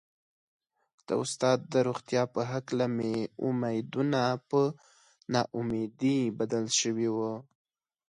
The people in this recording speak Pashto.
د استاد د روغتيا په هکله مې امېدونه په نا اميدي بدل شوي وو.